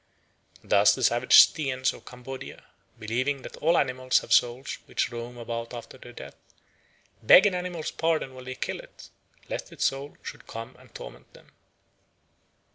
Thus the savage Stiens of Cambodia, believing that all animals have souls which roam about after their death, beg an animal's pardon when they kill it, lest its soul should come and torment them.